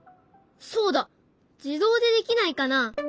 そうだ自動でできないかな？